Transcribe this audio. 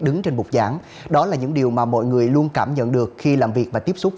đứng trên bục giảng đó là những điều mà mọi người luôn cảm nhận được khi làm việc và tiếp xúc